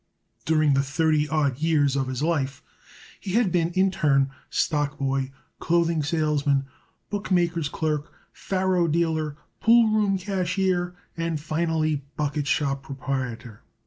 During the thirty odd years of his life he had been in turn stockboy, clothing salesman, bookmaker's clerk, faro dealer, poolroom cashier and, finally, bucketshop proprietor.